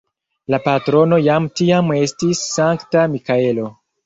La patrono jam tiam estis Sankta Mikaelo.